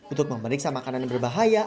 untuk memeriksa makanan yang berbahaya